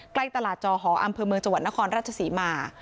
ใกล้ตลาดจอหออำเภอเมืองจังหวัดนครราชศรีมา